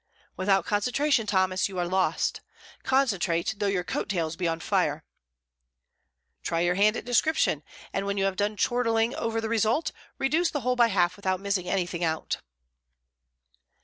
"Without concentration, Thomas, you are lost; concentrate, though your coat tails be on fire. "Try your hand at description, and when you have done chortling over the result, reduce the whole by half without missing anything out.